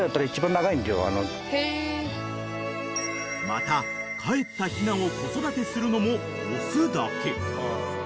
［またかえったひなを子育てするのも雄だけ］